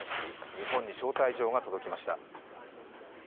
日本に招待状が届きました。